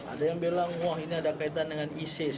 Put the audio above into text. ada yang bilang wah ini ada kaitan dengan isis